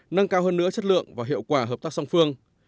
nâng cao hơn nữa chất lượng và hiệu quả hợp tác song phương